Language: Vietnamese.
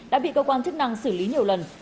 đã bị cơ quan chức năng xử lý nhiều lần